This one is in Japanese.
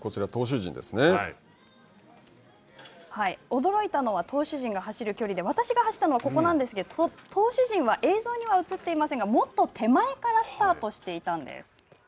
驚いたのは、投手陣が走る距離で私が走ったのはここなんですが、投手陣は映像には写っていませんがもっと手前からスタートしていたんです。